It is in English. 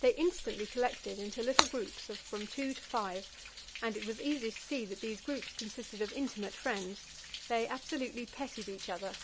They instantly collected into little groups of from two to five, and it was easy to see that these groups consisted of intimate friends they absolutely petted each other.